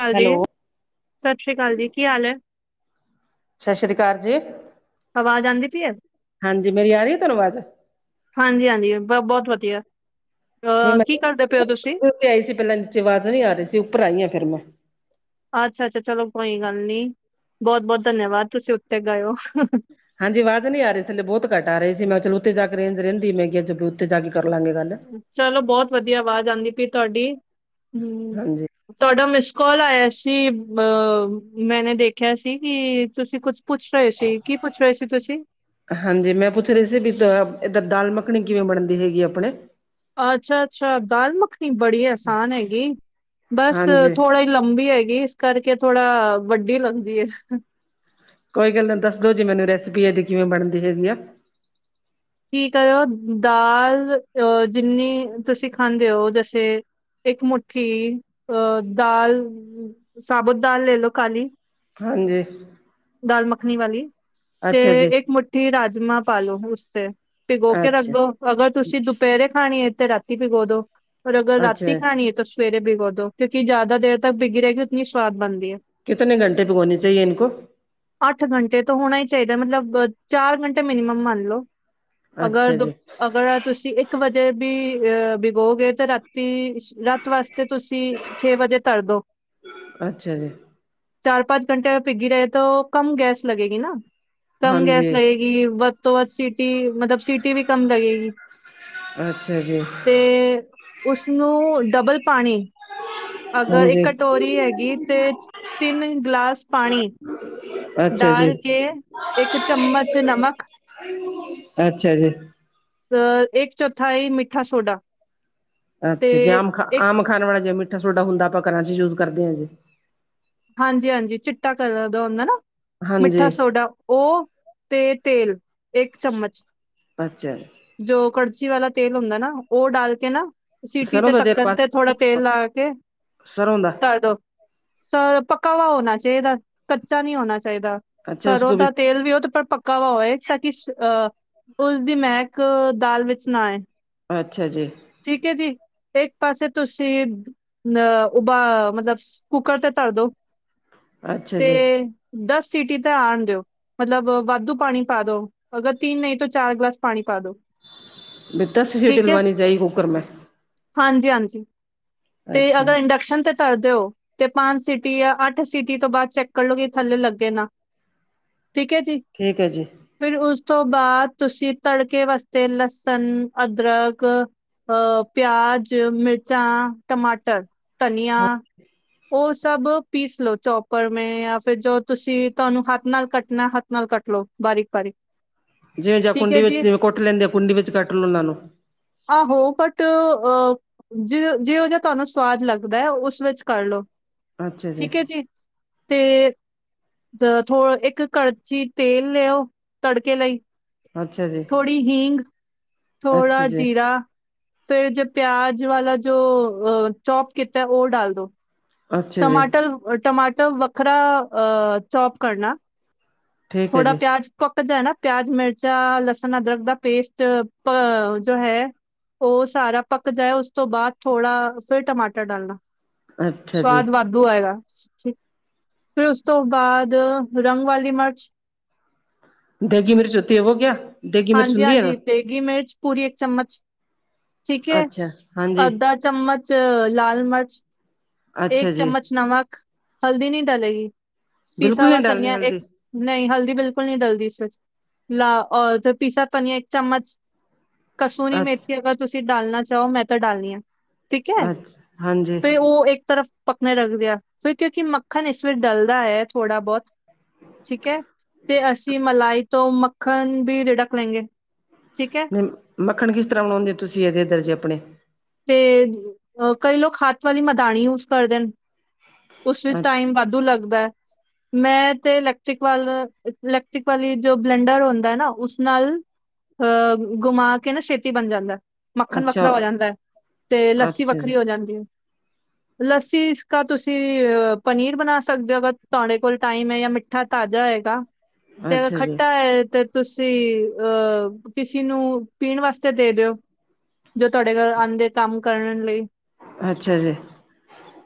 ਕਾਲ ਜੀ, ਹੈਲੋ ਸਤਿ ਸ੍ਰੀ ਅਕਾਲ ਜੀ ਕੀ ਹਾਲ ਐ? ਸਤਿ ਸ਼੍ਰੀ ਅਕਾਲ ਜੀ। ਆਵਾਜ਼ ਆਂਦੀ ਪਈ ਐ? ਹਾਂਜੀ, ਮੇਰੀ ਆ ਰਹੀ ਐ ਤੁਹਾਨੂੰ ਆਵਾਜ਼? ਹਾਂਜੀ-ਹਾਂਜੀ ਬ-ਬਹੁਤ ਵਧੀਆ, ਠੀਕ ਅਹ ਮੈਂ ਕੀ ਕਰਦੇ ਪਏ ਓ ਤੁਸੀਂ? ਉੱਤੇ ਆਈ ਸੀ ਪਹਿਲਾਂ ਨੀਚੇ ਅਵਾਜ਼ ਨੀਂ ਆ ਰਹੀ ਸੀ, ਉੱਪਰ ਆਈਆਂ ਫਿਰ ਮੈਂ। ਅੱਛਾ-ਅੱਛਾ ਚਲੋ ਕੋਈ ਗੱਲ ਨੀਂ, ਬਹੁਤ-ਬਹੁਤ ਧੰਨਵਾਦ ਤੁਸੀਂ ਉੱਤੇ ਗਏ ਓ। ਹਾਂਜੀ ਆਵਾਜ਼ ਨਈਂ ਆ ਰਹੀ ਥੱਲੇ, ਬਹੁਤ ਘੱਟ ਆ ਰਹੀ ਸੀ ਮੈਂ ਚਲੋ ਉੱਤੇ ਜਾ ਕੇ ਰੇਂਜ ਰਹਿੰਦੀ ਮੈਂ ਕਿਹਾ ਜ ਉੱਥੇ ਜਾ ਕੇ ਕਰ ਲਾਂਗੇ ਗੱਲ। ਚਲੋ ਬਹੁਤ ਵਧੀਆ, ਆਵਾਜ਼ ਆਉਂਦੀ ਪਈ ਤੁਹਾਡੀ। ਹਂ ਹਾਂਜੀ ਤੁਹਾਡਾ ਮਿਸ ਕਾਲ ਆਇਆ ਸੀ, ਮ ਅਹ ਮੈਨੇ ਦੇਖਿਆ ਸੀ ਕਿ ਤੁਸੀਂ ਕੁਛ ਪੁੱਛ ਰਹੇ ਸੀ, ਕੀ ਪੁੱਛ ਰਹੇ ਸੀ ਤੁਸੀਂ? ਹਾਂਜੀ ਮੈਂ ਪੁੱਛ ਰਹੀ ਸੀ ਵੀ ਇੱਧਰ ਦਾਲ ਮੱਖਣੀ ਕਿਵੇਂ ਬਣਦੀ ਹੈਗੀ ਆਪਣੇ। ਅੱਛਾ ਅੱਛਾ ਦਾਲ ਮੱਖਣੀ ਬੜੀ ਆਸਾਨ ਹੈਗੀ ਬਸ ਹਾਂਜੀ ਥੋੜਾ ਲੰਬੀ ਹੈਗੀ ਇਸ ਕਰਕੇ ਥੋੜਾ ਵੱਡੀ ਲੱਗਦੀ ਹੈ। ਕੋਈ ਗੱਲ ਨਹੀਂ ਦੱਸ ਦੋ ਜੀ ਮੈਨੂੰ ਰੈਸਿਪੀ ਇਹਦੀ ਕਿਵੇਂ ਬਣਦੀ ਹੈਗੀ ਆ। ਕੀ ਕਰੋ ਦਾਲ ਅਹ ਜਿੰਨੀ ਤੁਸੀਂ ਖਾਂਦੇ ਹੋ ਜੈਸੇ ਇੱਕ ਮੁਠੀ ਅ ਦਾਲ ਸਾਾਬੂਤ ਦਾਲ ਲੈਲ ਖਾਲੀ ਹਾਂਜੀ। ਦਾਲ ਮੱਖਣੀ ਵਾਲੀ ਤੇ ਅੱਛਾ ਜੀ ਇੱਕ ਮੁਠੀ ਰਾਜਮਾਂ ਪਾ ਲੋੋ ਉਸ। ਤੇ ਭਿਗੋ ਕੇ ਰੱਖ ਅੱਛਾ ਦੋ ਅਗਰ ਤੁਸੀਂ ਦੁਪਹਿਰੇ ਖਾਣੀ ਤੇ ਰਾਤੀ ਭਿਗੋ ਦੋ। ਅਗਰ ਰਾਤਤੀ ਅੱਛਾ ਖਾਣੀ ਹੈ ਤਾਂ। ਸਵੇਰੇ ਬਿਗੋ ਦੋ ਕਿਉਂਕਿ ਜ਼ਿਆਦਾ ਦੇਰ ਤੱਕ ਬਿਗੀ ਰਹਿਗੀ ਉਤਨੀ ਸਵਾਦ ਬਣਦੀ ਹੈ। ਕਿਤਨ ਘੰਟੇ ਪੇ ਹੋਣੀ ਚਾਹੀਏ ਇਨ ਕੋ। ਅੱਠ ਘੰਟੇ ਤੋਂ ਹੋਣਾ ਹੀ ਚਾਹੀਦਾ ਮਤਲਬ ਚਾਰ ਘੰਟੇ ਮਿਨੀਮਮ ਮੰਨ ਲਓ। ਅਗਰ ਅੱਛਾ ਦੁ ਜੀ ਅਗਰ ਤੁਸੀਂ ਇੱਕ ਵਜੇ ਵੀ ਅਹ ਵਿਗੋਗੇ ਤਾਂ ਰਾਤੀ। ਰਾਤ ਵਾਸਤੇ ਤੁਸੀਂ ਛੇ ਵਜੇ ਤਰਦੋ। ਅੱਛਾ ਜੀ। ਚਾਰ ਪਾਾਂਚ ਘੰਟੇ ਪਿਘਗੀ ਰਹੇ ਤਾਂ ਕਮ ਗੈਸ ਲੱਗੇਗੀ ਨਾ ਕਮ ਗੈਸ ਹਾਂਜੀ ਲਗੇਗੀ। ਵੱਧ ਤੋਂ ਵੱਧ ਸਿਟੀ ਮਤਲਬ ਸਟੀ ਵੀ ਕੰਮ ਲਗੇਗੀ। ਅੱਛਾ ਜੀ। ਤੇ ਉਸਨੂੰ ਡਬਲ ਪਾਣੀ। ਅਗਰ ਇੱਕ ਹਾਂਜੀ ਕਟੋਰੀ ਹੈਗੀ ਤੇ ਤਿੰਨ ਗਲਾਸ। ਪਾਣੀ ਅੱਛਾ ਜੀ ਡਾਲ ਕੇ ਇੱਕ ਚਮਚ ਨਮਕ। ਅੱਛਾ ਜੀ। ਅ ਇੱਕ ਚੌਥਾ ਹੈ ਮਿੱਠਾ ਸੋਡਾ। ਤੇ ਅੱਛਾ ਜੇ ਆਮ ਖਾ ਇੱਕ ਆਮ ਖਾਣ ਵਾਲਾ ਜੇ ਮਿੱਠਾ ਸੋਡਾ ਹੁੰਦਾ ਆਪਾਂ ਘਰਾਂ ਚ ਯੂਜ ਕਰਦੇ ਹਾਂ ਜੇ। ਹਾਂਜੀ ਹਾਂਜੀ ਚਿੱਟਾ ਕ ਦਾ ਹੁੰਦਾ ਨਾ। ਮਿੱਠਾ ਹਾਂਜੀ ਸੋਡਾ ਉਹ ਤੇ ਤੇਲ ਇੱਕ ਚਮਚ। ਵਜਰ। ਜੋ ਕੜਚੀ ਵਾਲਾ ਤੇਲ ਹੁੰਦਾ ਨਾ ਉਹ ਡਾਲ ਕੇ ਨਾ। ਸੀਟੀ ਸਰੋਂ ਤੇ ਦਾ ਤੇਲ ਧੱਕਣ ਪਾ ਤੇ ਥੋੜਾ ਤੇਲ ਲਾ ਕੇ ਸਰੋਂ ਦਾ ਤਰਦੋ ਸਰ। ਪੱਕਾ ਵ ਹੋਣਾ ਚਾਹੀਦਾ ਕੱਚਾ ਨੀ ਹੋਣਾ ਚਾਹੀਦਾ ਅੱਛਾ ਸਰੋਂ ਉਸਕੋ ਦਾ ਤੇਲ ਵੀ ਉਹ ਤੇ ਪੱਕਾ। ਕਾਹਵਾ ਹੋਏ ਤਾਂ ਕਿ ਅਹ ਉਸਦੀ ਮਹਿਕ ਦਾਲ ਵਿੱਚ ਨਾ ਆਏ। ਅੱਛਾ ਜੀ। ਠੀਕ ਹੈ ਜੀ ਇੱਕ ਪਾਸੇ ਤੁਸੀ ਸੀਂ। ਅ ਉਬਾ ਮਤਲਬ ਕੁੱਕਰ ਤੇ ਧਰਦੋ ਤੇ। ਦਸ ਸੀਟੀ ਤਾਂ ਆਉਣ ਦਿਓ। ਮਤਲਬ ਵਾਧੂ ਪਾਣੀ ਪਾ ਦੋ ਅਗਰ ਤਿੰਨ ਨਹੀਂ ਤਾਂ ਚਾਰ ਗਲਾਸ ਪਾਣੀ ਪਾ ਦੋ। ਦਸ ਸੀਟੀ ਲਗਵਾਣੀ ਚਾਹੀਦੀ ਕੁੱਕਰ ਮੇ। ਹਾਂਜੀ -ਹਾਂਜੀ ਤੇ ਅਗਰ ਇੰਡਕਸ਼ਨ ਤੇ। ਧਰ ਦਿਓ ਤੇ ਪੰਜ ਸੀਿਟੀ ਆ ਅੱਠ ਸੀਿਟੀ ਤੋਂ ਬਾਅਦ ਚੈੱਕ ਕਰ ਲਓ ਕਿ ਥੱਲੇ ਲੱਗੇ ਨਾ। ਠੀਕ ਹੈ ਜੀ। ਠੀਕ ਹੈ ਜੀ। ਫਿਰ ਉਸ ਤੋਂ ਬਾਅਦ ਤੁਸੀਂ ਤੜਕੇ ਵਾਸਤੇ ਲਸਣ ਅਦਰਕ। ਪਿਆਜ ਮਿਰਚਾਂ ਟਮਾਟਰ। ਧਨੀਆ ਉਹ ਸਭ। ਪੀਸ ਲੋਓ ਚੋਪਰ ਮੈਂ ਜਾਂ ਫਿਰ ਜੋ ਤੁਸੀਂ ਤੁਹਾਨੂੰ ਹੱਥ ਨਾਲ ਕੱਟਣਾ ਹੱਥ ਨਾਲ ਕੱਟ ਲਓ ਬਾਰੀਕ ਬਾਰੀਕ। ਜਿਵੇਂ ਜਾਂ ਠੀਕ ਹੈ ਕੁੰਡੀ ਵਿੱਚ ਜੀ ਜਿਵੇਂ ਕੁੱਟ ਲੈਂਦੇ ਓ ਕੁੰਡੀ ਵਿੱਚ ਕੱਟ ਲਓ ਉਹਨਾਂ ਨੂੰ। ਆਹੋ ਬਟ ਅ ਜਿ ਜਿਓ ਜਿਆ ਤੁਹਾਨੂੰ ਸਵਾਦ ਲੱਗਦਾ ਉਸ ਵਿੱਚ ਕਰ ਲੋ। ਠੀਕ ਹੈ ਜੀ। ਤੇ ਦ ਥੋ ਏਕ ਕੜਚੀ ਤੇਲ ਲਿਓ ਤੜਕੇ ਲਈ। ਅੱਛਾ ਜੀ ਥੋੜ੍ਹੀ ਹੀਗ, ਥੋੜਾ ਅੱਛਾ ਜੀ ਜੀਰਾ। ਫੇਰ ਜੇ ਪਿਆਜ ਵਾਲਾ ਜੋ ਅ ਚੌਪ ਕੀਤਾ ਉਹ ਡਾਲ ਦੋ। ਅੱਛਾ ਜੀ ਟਮਾਟਰ ਅ ਟਮਾਟਰ ਵੱਖਰਾ ਅ ਚੌਪ ਕਰਨਾ। ਠੀਕ ਹੈ ਥੋੜਾ ਜੀ ਪਿਆਜ ਪੱਕ ਜਾਨਾ ਪਿਆਜ, ਮਿਰਚਾ, ਲਸਣ, ਅਦਰਕ ਦਾ ਪੇਸਟ ਪ ਜੋ ਹੈ। ਉਹ ਸਾਰਾ ਪੱਕ ਜਾਏ ਉਸ ਤੋਂ ਬਾਅਦ ਥੋੜਾ ਫੇਰ ਟਮਾਟਰ ਡਾਲਣਾ ਅੱਛਾ ਜੀ ਸਵਾਦ ਵੱਧ ਦੂ ਆਏਗਾ। ਫਿਰ ਉਸ ਤੋਂ ਬਾਅਦ ਰੰਗ ਵਲੀ ਮਰਚ ਦੇਗੀ ਮਿਰਚ ਹੋਤੀ ਏ ਵੋ ਕਿਆ? ਦੇਗੀ ਮਿਰਚ ਹੁੰਦੀ ਐ। ਗੀ ਮਿਰਚ ਪੂਰੀ ਇੱਕ ਚਮਚ ਠੀਕ ਐ। ਅੱਛਾ। ਹਾਂਜੀ ਅੱਧਾ ਚਮਚ ਲਾਲ ਮਰਚ। ਅੱਛਾ ਏਕ ਜੀ ਚਮਚ ਨਮਕ ਹਲਦੀ ਨੀ ਡਲੇਗੀ ਪੀਸਾ ਬਿਲਕੁਲ ਨਹੀਂ ਹੋਵਾ ਡਾਲਣੀ ਧਨੀਆ ਏਕ ਹਲਦੀ ਨਈ ਹਲਦੀ ਬਿਲਕੁਲ ਨੀ ਡਲਦੀ ਇਸ ਵਿੱਚ ਲਾ ਔ ਤੇ ਪੀਸਾ ਧਨੀਆ ਇੱਕ ਚਮਚ। ਕਸੂਰੀ ਅੱਛਾ ਮੇਥੀ ਅਗਰ ਤੁਸੀਂ ਡਾਲਣਾ ਚਾਓ ਮੈਂ ਤਾਂ ਡਾਲਨੀ ਆਂ। ਠੀਕ ਐ। ਅੱਛਾ ਹਾਂਜੀ ਫੇ ਉਹ ਏਕ ਤਰਫ ਪਕਣੇੇ ਰੱਖ ਦਿਆ। ਫਿਰ ਕਿਉਂਕਿ ਮੱਖਣ ਇਸ ਵਿਚ ਡਲਦਾ ਹੈ ਥੋੜਾ ਬਹੁਤ। ਠੀਕ ਹੈ। ਤੇ ਅਸੀਂ ਮਲਾਈ ਤੋਂ ਮੱਖਣ ਵੀ ਰਿੜਕ ਲੈਂਗੇ। ਠੀਕ ਹੈ। ਮ ਮੱਖਣ ਕਿਸ ਤਰ੍ਹਾਂ ਬਣਾਉਦੇ ਤੁਸੀਂ ਇਹਦੇ ਏਧਰ ਜੇ ਆਪਣੇ? ਤੇ ਅ ਕਈ ਲੋਕ ਹੱਥ ਵਲੀ ਮਦਾਣੀ ਯੂਜ ਕਰਦੇ ਹਨ। ਉਸ ਵਿੱਚ ਅੱਛ ਟਾਈਮ ਵਾਧੂ ਲੱਗਦਾ ਐ। ਮੈਂ ਤੇ ਇਲੈਕਟ੍ਰਿਕ ਵੱਲ ਇਲੈਕਟ੍ਰਿਕ ਵਾਲੀ ਜੋ ਬਲੈਂਡਰ ਹੁੰਦਾ ਨਾ ਉਸ ਨਾਲ ਅ--ਗੁਮਾ ਕੇ ਨਾ ਛੇਤੀ ਬਣ ਜਾਂਦਾ ਮੱਖਣ ਅੱਛਾ ਵੱਖਰਾ ਹੋ ਜੰਦੇ। ਤੇ ਲੱਸੀ ਅੱਛਾ ਵੱਖਰੀ ਜੀ ਹੋ ਜਾਂਦੀ ਏ। ਲੱਸੀ ਇਸ ਕਾ ਤੁਸੀਂ ਪਨੀਰ ਬਣਾ ਸਕਦੇ ਹੋ ਅਗਰ ਤੁਹਾਡੇ ਕੋਲ ਟਾਈਮ ਹੈ ਜਾਂ ਮ ਮਿੱਠਾ ਤਾਜ਼ਾ ਹੋਏਗਾ। ਤੇ ਅੱਛਾ ਜੀ ਖੱਟਾ ਹੈ ਤੇ ਤੁਸੀਂ ਅ ਕਿਸੀ ਨੂੰ ਪੀਣ ਵਾਸਤੇ ਦੇ ਦਿਓ। ਜੋ ਤੁਆਡੇ ਘਰ ਆਂਦੇ ਕੰਮ ਕਰਨ ਲਈ। ਅੱਛਾ ਜੀ।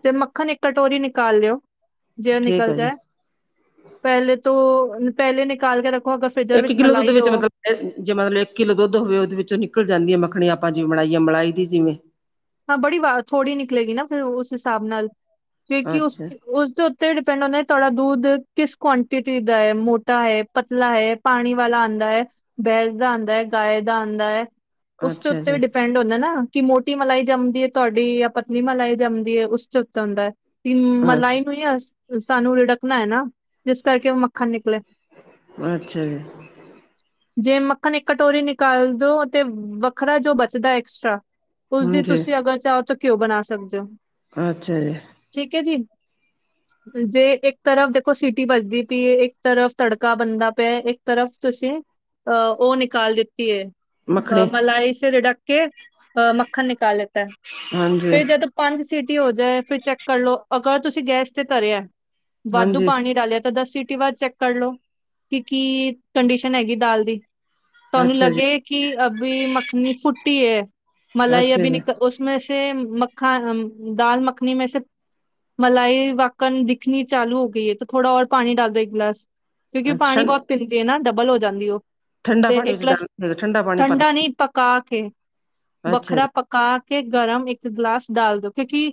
ਤੇ ਮੱਖਣ ਏਕ ਕਟੋਰੀ ਨਿਕਾਲ ਲਿਓ। ਜੇ ਓ ਠੀਕ ਨਿਕਲ ਹੈ ਜਾਏ। ਜੀ ਪਹਿਲੇ ਤੋਂ ਪਹਿਲੇ ਨਿਕਾਲ ਕੇ ਰੱਖੋ ਅਗਰ ਫਰਿਜਰ ਇੱਕ ਵਿੱਚ ਕਿੱਲੋ ਦੁੱਧ ਮਲਾਈ ਵਿੱਚ ਹੋ। ਮਤਲਬ ਜੇ ਮਲ ਇੱਕ ਕਿੱਲੋ ਦੁੱਧ ਹੋਵੇ ਉਹਦੇ ਵਿੱਚੋਂ ਨਿਕਲ ਜਾਂਦੀ ਮੱਖਣੀ ਆਪਾਂ ਜਿਵੇਂ ਬਨਾਈ ਏ ਮਲਾਈ ਦੀ ਜਿਵੇਂ। ਹਾਂ ਬੜੀ ਵਾਰ ਥੋੜੀ ਨਿਕਲੇਗੀ ਨਾ ਫੇਰ ਉਸ ਹਿਸਾਬ ਨਾਲ ਫੇਰ ਕੀ ਉਸ ਅੱਛਾ ਚ ਉਸਦੇ ਉੱਤੇ ਡਿਪੈਂਡ ਹੁੰਦਾ ਤੁਆਡਾ ਦੁਧ ਕਿਸ ਕੁਆਂਟਿਟੀ ਦਾ ਹੈ ਮੋਟਾ ਹੈ ਪਤਲਾ ਹੈ, ਪਾਣੀ ਵਾਲਾ ਆਂਦਾ ਹੈ, ਬੈਸ ਦਾ ਆਂਦਾ ਹੈ, ਗਾਏ ਦਾ ਆਂਦਾ ਹੈ। ਉਸਤੇ ਅੱਛਾ ਉੱਤੇ ਜੀ ਵੀ ਡਿਪੈਂਡ ਹੁੰਦਾ ਨਾ ਕਿ ਮੋਟੀ ਮਲਾਈ ਜੰਮਦੀ ਏ ਤੁਆਡੀ ਜਾਂ ਪਤਨੀ ਮਲਾਈ ਜੰਮਦੀ ਏ। ਉਸਦੇ ਉੱਤੇ ਹੁੰਦੇ ਵੀ ਮਲਾਈ ਅੱਛਾ ਨੂੰ ਈ ਆ ਸਾਨੂੰ ਰਿੜਕਣਾ ਐ ਨਾ ਜਿਸ ਕਰਕੇ ਉਹ ਮੱਖਣ ਨਿਕਲੇ। ਅੱਛਾ ਜੀ। ਜੇ ਮੱਖਣ ਇੱਕ ਕਟੋਰੀ ਨਿਕਾਲ ਦੋ ਤੇ ਵੱਖਰਾ ਜੋ ਬਚਦਾ ਐਕਸਟਰਾ। ਉਸਦੀ ਹਾਂਜੀ ਤੁਸੀਂ ਅਗਰ ਚਾਹੋ ਤਾਂ ਘਿਓ ਬਣਾ ਸਕਦੇ ਓ। ਆਛਾ ਜੀ। ਠੀਕ ਹੈ ਜੀ। ਜੇ ਏਕ ਤਰਫ ਦੇਖੋ ਸਿਟੀ ਵਜਦੀ ਪੀ ਏ ਏਕ ਤਰਫ ਤੜਕਾ ਬਣਦਾ ਪਿਆ ਏ ਏਕ ਤਰਫ ਤੁਸੀਂ ਅ--ਉਹ ਨਿਕਾਲ ਦਿਤੀ ਏ। ਅ ਮੱਖਣੀ ਮਲਾਈ ਸੇ ਰਿੜਕਕੇ ਅ ਮੱਖਣ ਨਿਕਾਲ ਲੇਤਾ ਐ। ਹਾਂਜੀ ਫੇਰ ਜਦ ਪੰਜ ਸੀਟੀ ਹੋ ਜਾਏ ਫਿਰ ਚੈੱਕ ਕਰਲੋ ਅਗਰ ਤੁਸੀਂ ਗੈਸ ਤੇ ਤਰੀਐ ਵਾਧੂ ਹਾਂਜੀ ਪਾਣੀ ਡਾਲਿਆ ਤਾਂ ਦਸ ਸੀਟੀ ਬਾਦ ਚੈੱਕ ਕਰਲੋ, ਕਿ ਕੀ ਕੰਡੀਸ਼ਨ ਹੈਗੀ ਦਾਲ ਦੀ ਤੁਹਾਨੂੰ ਅੱਛਾ ਜੀ ਲੱਗੇ ਕਿ ਅਭੀ ਮੱਖਣੀ ਫੁੱਟੀ ਏ, ਮਲਾਈ ਅਪ ਅੱਛਾ ਜੀ ਉਸ ਮੇਸੇ ਮੱਖਨ ਹੰਮ, ਦਾਲ ਮੱਖਣੀ ਮੇ ਸੇ ਮਲਾਈ ਵਾਕਣ ਦਿਖਣੀ ਚਾਲੂ ਹੋ ਗਈ ਏ ਤਾਂ ਥੋੜਾ ਹੋਰ ਪਾਣੀ ਡਾਲ ਦੋ ਇੱਕ ਗਲਾਸ। ਕਿਉਂਕਿ ਅੱਛਾ ਪਾਣੀ ਬਹੁਤ ਪੀਂਦੀ ਏ ਨਾ, ਡਬਲ ਹੋ ਜਾਂਦੀ ਉਹ ਠੰਡਾ ਤੇ ਪਾਣੀ ਇਕ ਵਿੱਚ ਗਲਾਸ ਡਾਲ ਪਾਣੀ ਠੰਡਾ ਭਰਨਾ ਨਹੀਂ, ਪਕਾ ਕੇ ਅੱਛਾ ਵੱਖਰਾ ਜੀ ਪਕ ਪਕਾ ਕੇ ਗਰਮ, ਇੱਕ ਗਲਾਸ ਡਾਲ ਦੋ, ਕਿਉਂਕਿ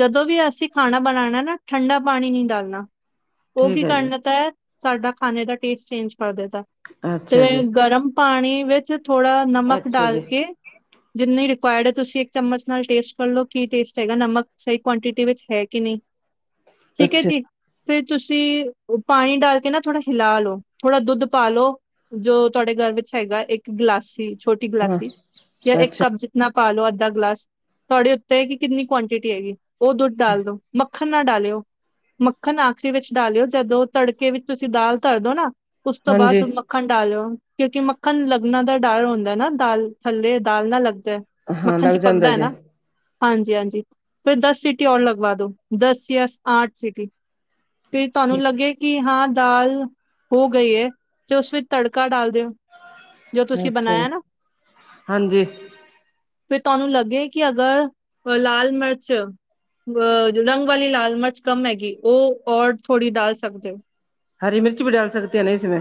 ਜਦੋਂ ਵੀ ਅਸੀਂ ਖਾਣਾ ਬਨਾਣਾ ਨਾ, ਠੰਡਾ ਪਾਣੀ ਨਹੀਂ ਡਾਲਣਾ ਉਹ ਠੀਕ ਕੀ ਹੈ ਕਰ ਜੀ ਦੇਤਾ, ਸਾਡਾ ਖਾਣੇ ਦਾ ਟੇਸਟ ਚੇਂਜ ਕਰ ਦੇ ਤਾ ਅੱਛਾ ਤੇ ਜੀ ਗਰਮ ਪਾਣੀ ਵਿੱਚ, ਥੋੜਾ ਨਮਕ ਅੱਛਾ ਡਾਲ ਜੀ ਕੇ, ਜਿੰਨੀ ਰ ਤੁਸੀਂ ਇੱਕ ਚਮਚ ਨਾਲ ਟੇਸਟ ਕਰ ਲਓ, ਕੀ ਟੇਸਟ ਹੈਗਾ ਨਮਕ ਸਹੀ ਕੁਆਂਟਿਟੀ ਵਿੱਚ ਹੈ ਕੇ ਨੀਂ। ਠੀਕ ਏ ਅੱਛਾ ਜੀ ਫਿਰ ਤੁਸੀਂ ਪਾਣੀ ਡਾਲ ਕੇ ਨਾ ਥੋੜ੍ਹਾ ਹਿਲਾ ਲੋ, ਥੋੜਾ ਦੁੱਧ ਪਾ ਲੋ ਜੋ ਤੁਹਾਡੇ ਘਰ ਵਿੱਚ ਹੈਗਾ, ਇੱਕ ਗਿਲਾਸੀ, ਛੋਟੀ ਹਾਂ ਗਿਲਾਸੀ ਯਾ ਇੱਕ ਅੱਛਾ ਕੱਪ ਜਿ ਨਾ ਪਾ ਲਓ ਅੱਧਾ ਗਲਾਸ, ਤੁਹਾਡੇ ਉੱਤੇ ਆ ਕਿ ਕਿੰਨੀ ਕੁਆਂਟਿਟੀ ਹੈਗੀ ਉਹ ਦੁੱਧ ਦਾਲ ਦੋ ਮੱਖ ਮੱਖਣ ਨਾ ਡਾਲਿਓ, ਮੱਖਣ ਆਖਰੀ ਵਿੱਚ ਡਾਲਿਓ ਜਦੋਂ ਤੜਕੇ ਵਿੱਚ ਤੁਸੀਂ ਦਾਲ ਧਰਦੋ ਨਾ! ਉਸ ਤੋਂ ਹਾਂਜੀ ਬਾਅਦ ਮੱਖਣ ਡਾਲਿਓ ਕਿਉਂਕਿ ਮੱਖਣ ਲੱਗਣਾ ਦਾ ਡਰ ਹੁੰਦਾ ਨਾ ਦਾਲ ਥੱਲੇ ਦਾਲ ਨਾ ਲੱਗ ਜਾਏ। ਹਾਂ ਮੱਖਣ ਲੱਗ ਚ ਪਕਦਾ ਜਾਂਦਾ ਹੈ ਜੀ ਨਾ। ਹਾਂਜੀ! ਹਾਂਜੀ! ਫਿਰ ਦਸ ਸਿਟੀ ਔਰ ਲਗਵਾ ਦੋ ਦਸ ਜਾਂ ਆਠ ਸੀਟੀ। ਤੇ ਤੁਹਾਨੂੰ ਠੀਕ ਲੱਗਦੀ ਕਿ ਹਾਂ ਦਾਲ, ਹੋ ਗਈ ਏ, ਤੇ ਉਸ ਵਿੱਚ ਤੜਕਾ ਡਾਲ ਦੇਓ। ਅੱਛਾ, ਹਾਂਜੀ। ਫਿਰ ਤੁਹਾਨੂੰ ਲੱਗੇ ਕਿ ਅਗਰ ਲਾਲ ਮਿਰਚ ਅ ਜੋ ਰੰਗ ਵਾਲੀ ਲਾਲ ਮਰਚ ਕੰਮ ਹੈਗੀ, ਉਹ ਔਰ ਥੋੜ੍ਹੀ ਡਾਲ ਸਕਦੇ ਔ। ਹਰੀ ਮਿਰਚ ਵੀ ਡਾਲ ਸਕਤੇ ਹੈਂ ਨਾ ਇਸਮੇ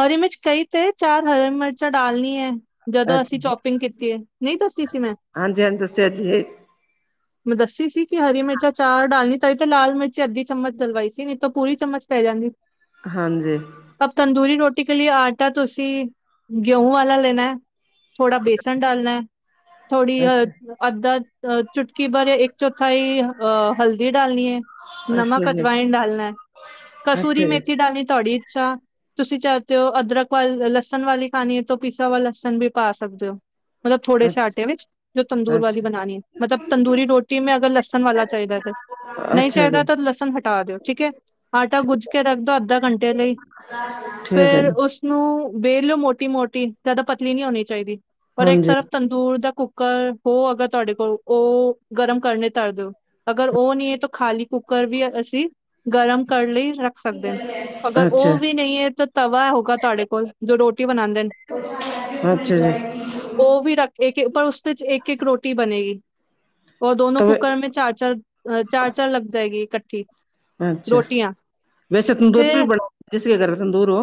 ਹਰੀ ਮਿਰਚ ਕਈ ਤੇ ਚਾਰ ਹਰੀ ਮਿਰਚਾਂ ਡਾਲਨੀ ਹੈ। ਜਦੋਂ ਅਸੀਂ ਚੋਪਿੰਗ ਕੀਤੀ ਹੈ, ਨਹੀਂ ਦੱਸੀ ਸੀ ਮੈਂ। ਮੈਂ ਦੱਸੀ ਸੀ, ਕਿ ਹਰੀ ਮਿਰਚਾਂ ਚਾਰ ਡਾਲਣੀ ਤਾਈ ਤੇ ਲਾਲ ਮਿਰਚੀ ਅੱਧੀ ਚਮਚ ਡਲਵਾਈ ਸੀ। ਪੂਰੀ ਚਮਚ ਪੈ ਜਾਂਦੀ। ਅਬ ਤੰਦੂਰੀ ਰੋਟੀ ਕ ਲਈਏ ਆਟਾ ਤੁਸੀਂ ਗੇਹੂੰ ਵਾਲਾ ਲੈਣਾ। ਥੋੜਾ ਬੇਸਣ ਡਾਲਣਾ ਹੈ, ਥੋੜੀ ਅੱਧਾ ਚੁਟਕੀ ਭਰ ਇੱਕ ਇੱਕ ਚੌਥਾ ਹੀ ਅ ਹਲਦੀ ਡਾਲਨੀ ਹੈ। ਨਮਕ, ਅਜਵਾਇਣ ਡਾਲਣਾ। ਕਸੂਰੀ ਮੇਥੀ ਡਾਲਣੀ ਥੋਡੀ ਇੱਛਾ। ਤੁਸੀਂ ਚਾਹਤੇ ਹੋ ਅਦਰਕ ਵੱਲ ਲਸਣ ਵਾਲੀ ਖਾਣੀ ਤੋਂ ਪੀਸਾ ਹੂਆ ਲਸਣ ਵੀ ਪਾ ਸਕਦੇ ਹੋ। ਮਤਲਬ ਥੋੜੇ ਸੇ ਆਟੇ ਵਿੱਚ ਜੋ ਤੰਦੂਰ ਵਾਲੀ ਬਣਾਨੀ ਹੈ। ਮਤਲਬ, ਤੰਦੂਰੀ ਰੋਟੀ ਮੈਂ ਅਗਰ ਲਸਣ ਵਾਲਾ ਚਾਹੀਦਾ ਹੈ ਤੇ ਨਹੀਂ ਚਾਹੀਦਾ ਤਾਂ ਲਸਣ ਹਟਾ ਦਿਓ ਠੀਕ ਐ, ਆਟਾ ਗੁੱਜ ਕੇ ਰੱਖ ਦਿਓ ਅੱਧੇ ਘੰਟੇ ਲਈ। ਨਾਂ ਫੇਰ ਉਸਨੂੰ ਬੇਲ ਲਓ ਮੋਟੀ -ਮੋਟੀ ਜਿਆਦਾ ਪਤਲੀ ਨਹੀਂ ਹੋਣੀ ਚਾਹੀਦੀ। ਪਰ ਇੱਕ ਤਰਫ ਤੰਦੂਰ ਦਾ ਕੁੱਕਰ ਉਹ ਹੈਗਾ ਤੁਹਾਡੇ ਕੋਲ ਉਹ ਗਰਮ ਕਰਨੇ ਧਰ ਦਿਓ। ਅਗਰ ਉਹ ਨਹੀਂ ਹੈ ਤੋ ਖਾਲੀ ਕੁੱਕਰ ਵੀ ਅਸੀਂ ਗਰਮ ਕਰਨ ਲਈ ਰ ਸਕਦੇ ਨੇ ਅਗਰ ਉਹ ਵੀ ਨਹੀਂ ਹੈ ਤਾਂ ਤਵਾ ਹੋਗਾ ਤੁਹਾਡੇ ਕੋਲ, ਜੋ ਰੋਟੀ ਬਣਾਉਂਦੇ ਨੇ। ਉਹ ਵੀ ਰੱਖ ਇੱਕ ਪਰ ਉਸਦੇ ਵਿੱਚ ਇੱਕ- ਇੱਕ ਰੋਟੀ ਬਣੇਗੀ। ਉਹ ਦੋਨੋ ਕੁੱਕਰ ਮੈਂ ਚਾਰ- ਚਾਰ, ਚਾਰ -ਚਾਰ ਲੱਗ ਜਾਏਗੀ ਇਕੱਠੀ। ਅੱਛਾ ਵੈਸੇ ਤੰਦੂਰ ਵੀ ਬੜਾ ਜ ਅਗਰ ਕਿਸੇ ਦੇ ਘਰ ਤੰਦੂਰ ਹੋ।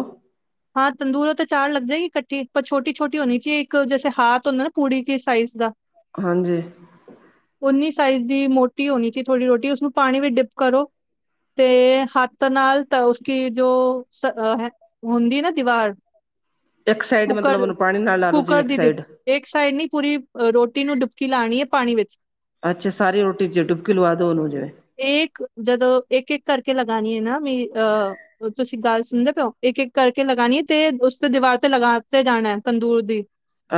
ਹਾਂ ਤੰਦੂਰੋਂ ਉਤੇ ਚਾਰ ਲੱਗ ਜਾਏਗੀ ਇਕੱਠੀ। ਪਰ ਛੋਟੀ- ਛੋਟੀ ਹੋਣੀ ਚਾਹੀਏ ਇੱਕ ਜੈਸੇ ਹਾਥ ਹੁੰਦਾ ਨਾ ਪੂੜੀ ਕੇ ਸਾਈਜ਼ ਦਾ। ਹਾਂਜੀ। ਉਓਨੀ ਸਾਈਜ਼ ਦੀ ਮੋਟੀ ਹੋਣੀ ਸੀ ਥੋੜ੍ਹੀ ਰੋਟੀ ਉਸਨੂੰ ਪਾਣੀ ਵਿੱਚ ਡਿਪ ਕਰੋ ਤੇ ਹੱਥ ਨਾਲ ਤਾਂ ਉਸਕ ਜੋ ਹੁੰਦੀ ਨਾ ਦੀਵਾਰ ਇੱਕ ਸਾਈਡ ਮਤਲਬ ਉਹਨੂੰ ਪਾਣੀ ਨਾਲ ਲਾ ਲਓ ਜਿਵੇਂ ਇੱਕ ਦੀ ਡਿ ਸਾਈਡ ਇੱਕ ਸਾਈਡ ਨੀ ਪੂਰੀ ਰੋਟੀ ਨੂੰ ਡੁਬਕੀ ਲਾਉਣੀ ਹੈ ਪਾਣੀ ਵਿੱਚ ਅੱਛਾ, ਸਾਰੀ ਰੋਟੀ ਚ ਡੁਬਕੀ ਲਵਾ ਦੋ ਉਹਨੂੰ ਜੇ ਏਕ, ਜਦੋਂ ਇੱਕ ਇੱਕ ਕਰਕੇ ਲਗਾਨੀ ਐ ਨਾ ਵੀ ਅਹ ਤੁਸੀਂ ਗੱਲ ਸੁਣਦੇ ਪਏ ਓਂ, ਇੱਕ-ਇੱਕ ਕਰਕੇ ਲਗਾਣੀ ਐ, ਤੇ ਉਸ ਤੋਂ ਦੀਵਾਰ ਲਗਾ ਦਿੱਤੇ ਜਾਣਾ ਤੰਦੂਰ ਦੀ,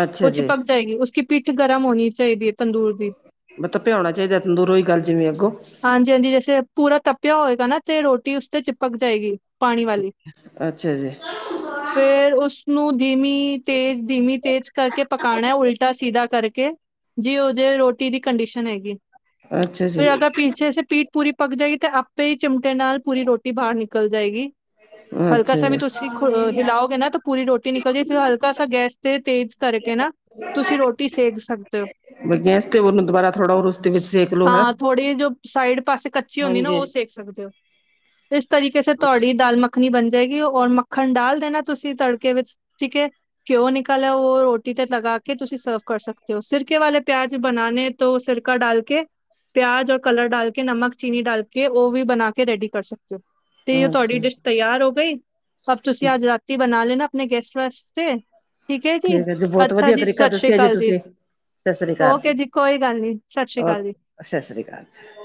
ਅੱਛਾ ਕੁਛ ਜੀ ਪਗ ਚਏਗੀ, ਉਸਕੀ ਪਿੱਠ ਗਰਮ ਹੋਣੀ ਚਾਹੀਦੀ ਐ ਤੰਦੂਰ ਦੀ। ਮਤਲਬ ਭਿਆਉਣਾ ਚਾਹੀਦਾ ਤੰਦੂਰ, ਉਹੀ ਗੱਲ ਜਿਵੇਂ ਅੱਗੋਂ ਹਾਂਜੀ-ਹਾਂਜੀ ਜੈਸੇ ਪੂਰਾ ਤਪਿਆ ਹੋਏਗਾ ਨਾ, ਤੇ ਰੋਟੀ ਉਸ ਤੇ ਚਿਪਕ ਜਾਏਗੀ। ਪਾਣੀ ਵਾਲੀ, ਅੱਛਾ ਜੀ ਫੇਰ ਉਸ ਨੂੰ ਧੀਮੀ ਤੇਜ਼- ਧੀਮੀ ਤੇਜ਼ ਕਰਕੇ ਪਕਾਣਾ, ਉਲਟਾ- ਸਿੱਧਾ ਕਰਕੇ। ਜਿਹੋ ਜੇ ਰੋਟੀ ਦੀ ਕੰਡੀਸ਼ਨ ਹੈਗੀ। ਅੱਛਾ ਜੀ। ਪਿੱਛੇ ਸੇ ਪੀਠ ਪੂਰੀ ਪੱਕ ਜਾਏਗੀ, ਤੇ ਆਪੇ ਹੀ ਚਿਮਟੇ ਨਾਲ ਪੂਰੀ ਰੋਟੀ ਬਾਹਰ ਨਿਕਲ ਜਾਏਗੀ। ਹਲਕਾ ਅੱਛਾ ਸਾ ਵੀ ਜੀ ਤੁਸੀਂ ਹਿਲਾਓਗੇ ਨਾ, ਤਾਂ ਪੂਰੀ ਰੋਟੀ ਨਿਕਲ ਜੇ, ਫਿਰ ਹਲਕਾ ਸਾ ਗੈਸ ਤੇ ਤੇਜ਼ ਕਰਕੇ ਨਾ, ਤੁਸੀਂ ਰੋਟੀ ਸੇਕ ਸਕਦੇ ਹੋ। ਮੈਂ ਗੈਸ ਤੇ ਬਰਨ ਦੋ ਹਾਂ ਥੋੜ੍ਹੀ ਜੋ ਸਾਈਡ ਪਾਸੇ ਕੱਚੀ ਹੁੰਦੀ ਨਾ, ਹਾਂਜੀ ਉਹ ਸੇਕ ਸਕਦੇ ਹੋ। ਇਸ ਤਰੀਕੇ ਸੇ ਤੁਹਾਡੀ ਦਾਲ ਮੱਖਣੀ ਬਣ ਜਾਏਗੀ, ਔਰ ਮੱਖਣ ਡਾਲ ਦੇਣਾ ਤੁਸੀਂ ਤੜ ਕੇ ਵਿੱਚ ਠੀਕ ਐ। ਘਿਉ ਨਿਕਲਿਆ, ਉਹ ਰੋਟੀ ਤੇ ਲਗਾ ਕੇ ਤੁਸੀਂ ਸਰਵ ਕਰ ਸਕਦੇ ਹੋ, ਸਿਰਕੇ ਵਾਲੇ ਪਿਆਜ ਬਣਾਣੇ ਤੋਂ ਸਿਰਕਾ ਡਾਲ ਕੇ ਪਿਆਜ ਔਰ ਕਲਰ ਡਾਲ ਕੇ, ਨਮਕ ਚੀਨੀ ਡਾਲ ਕੇ, ਉਹ ਵੀ ਬਣਾ ਕੇ ਰੈਡੀ ਕਰ ਸਕਦੇ ਹੋ। ਤੇ ਤੁਹਾਡੀ ਅੱਛਾ ਡਿਸ਼ ਤਿਆਰ ਹੋ ਗਈ, ਅਬ ਤੁਸੀਂ ਅੱਜ ਰਾਤੀ ਬਣਾ ਲੈਣਾ। ਆਪਣੇ ਗੈਸਟ ਵਾਸਤੇ ਠੀਕ ਐ ਜੀ, ਠੀਕ ਹੈ ਬਹੁਤ ਅੱਛਾ ਵਧੀਆ ਜੀ ਤਰੀਕਾ ਸਸ ਰੀ ਦੱਸਿਆ ਅਕਾਲ ਜੀ। ਤੁਸੀਂ ਸਤਿ ਸ੍ਰੀ ਅਕਾਲ ਓਕੇ ਜੀ ਕੋਈ ਗੱਲ ਨੀ, ਸਤਿ ਸ਼੍ਰੀ ਅਕਾਲ ਜੀ। ਸਸ ਰੀ ਕਾਲ ਜੀ।